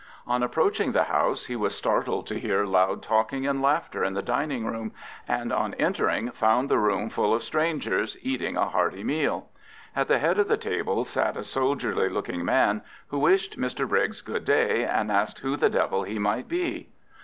On approaching the house he was startled to hear loud talking and laughter in the dining room, and on entering found the room full of strangers, eating a hearty meal. At the head of the table sat a soldierly looking man, who wished Mr Briggs good day, and asked who the devil he might be.